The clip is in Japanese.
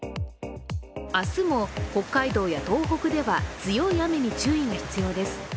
明日も北海道や東北では強い雨に注意が必要です。